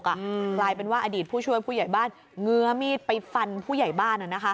กลายเป็นว่าอดีตผู้ช่วยผู้ใหญ่บ้านเงื้อมีดไปฟันผู้ใหญ่บ้าน